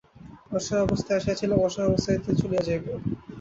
অসহায় অবস্থায় আসিয়াছিলাম, অসহায় অবস্থাতেই চলিয়া যাইব।